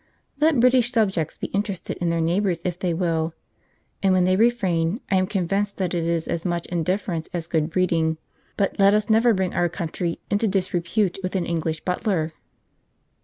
Let British subjects be interested in their neighbours, if they will (and when they refrain I am convinced that it is as much indifference as good breeding), but let us never bring our country into disrepute with an English butler!